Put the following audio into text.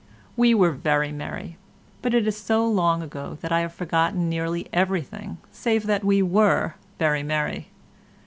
We were very merry, but it is so long ago that I have forgotten nearly everything save that we were very merry.